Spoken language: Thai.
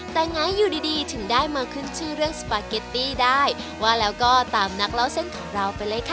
แต่ไงอยู่ดีดีถึงได้มาขึ้นชื่อเรื่องสปาเกตตี้ได้ว่าแล้วก็ตามนักเล่าเส้นของเราไปเลยค่ะ